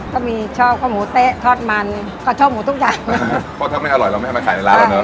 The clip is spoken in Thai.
ก็มีชอบข้าวหมูเต๊ะทอดมันก็ชอบหมูทุกอย่างเพราะถ้าไม่อร่อยเราไม่ให้มาขายในร้านแล้วเนอ